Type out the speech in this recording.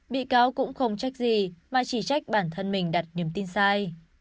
bị cáo cũng không trách gì mà chỉ trách bản thân mình đặt niềm tin sai